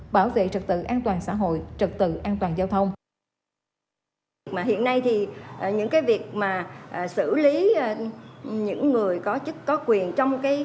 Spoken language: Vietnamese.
bảo vệ trực tự an toàn xã hội trật tự an toàn giao thông